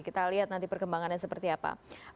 kita lihat nanti perkembangannya seperti apa